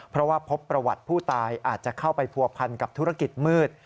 เพราะว่าพบประวัติผู้ตายอาจจะเข้าไปผัวพันกับธุรกิจมืด